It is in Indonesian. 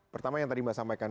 pertama yang tadi mbak sampaikan